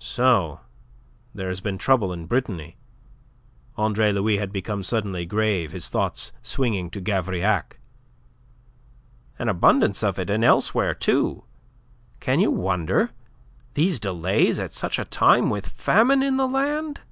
"So there has been trouble in Brittany?" Andre Louis had become suddenly grave, his thoughts swinging to Gavrillac. "An abundance of it, and elsewhere too. Can you wonder? These delays at such a time, with famine in the land?